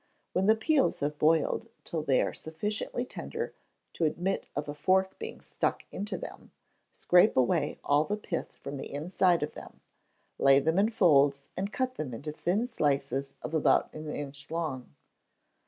When the peels have boiled till they are sufficiently tender to admit of a fork being stuck into them, scrape away all the pith from the inside of them; lay them in folds, and cut them into thin slices of about an inch long.